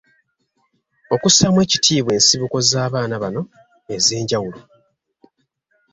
Okussaamu ekitiibwa ensibuko z’abaana bano ez’enjawulo.